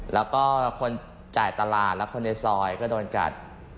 แล้วก็คนจ่ายตลาดและคนในซอยก็โดนกัด